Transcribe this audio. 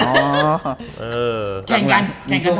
แข่งกันแข่งกันตัวเอง